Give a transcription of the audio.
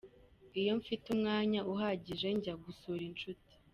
Iyo mfite umwanya uhagije njya ngusura inshuti.